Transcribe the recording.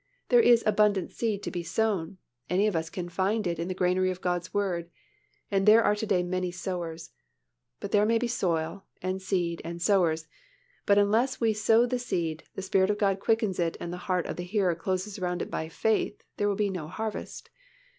There is abundant seed to be sown, any of us can find it in the granary of God's Word; and there are to day many sowers: but there may be soil and seed and sowers, but unless as we sow the seed, the Spirit of God quickens it and the heart of the hearer closes around it by faith, there will be no harvest.